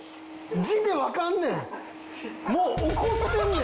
字でわかんねん。